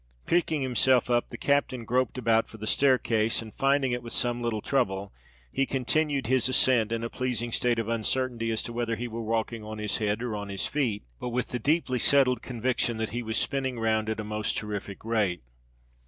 Picking himself up, the captain groped about for the staircase; and, finding it with some little trouble, he continued his ascent in a pleasing state of uncertainty as to whether he were walking on his head or on his feet, but with the deeply settled conviction that he was spinning round at a most terrific rate.